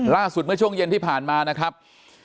เมื่อช่วงเย็นที่ผ่านมานะครับ